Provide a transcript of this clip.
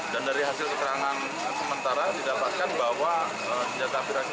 dan dari hasil keterangan sementara didapatkan bahwa senjata api rakitan